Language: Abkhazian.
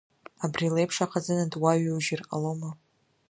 Абри леиԥш ахазына дуаҩужьыр ҟалома!